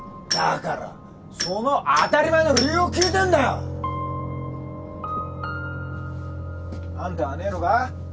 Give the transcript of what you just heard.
だからその当たり前の理由を聞いてんだよ。あんたはねえのか？